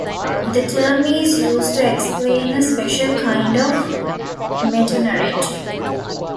The term is used to explain a special kind of metanarrative.